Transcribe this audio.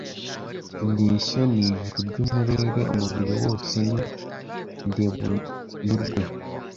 Indeshyo ni ijuru ry’umurere Umubiri wose ni ndebunyurwe